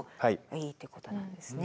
いいということなんですね。